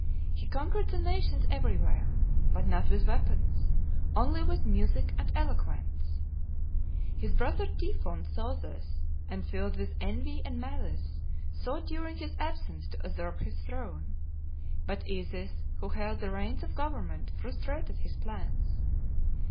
He conquered the nations everywhere, but not with weapons, only with music and eloquence. His brother Typhon saw this, and filled with envy and malice sought during his absence to usurp his throne. But Isis, who held the reins of government, frustrated his plans.